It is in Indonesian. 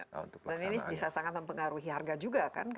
dan ini bisa sangat mempengaruhi harga juga kan